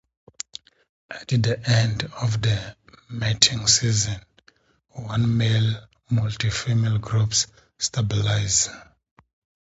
At the end of the mating season, one-male, multi-female groups stabilize.